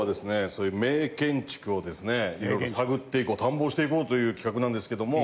そういう名建築をですね色々探っていこう探訪していこうという企画なんですけども。